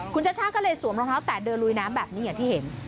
คุณชัชชาก็เลยสวมรองเท้าแตะเดินลุยน้ำแบบนี้อย่างที่เห็น